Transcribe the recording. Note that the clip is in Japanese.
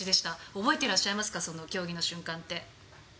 覚えてらっしゃいますか、その競技の瞬間って。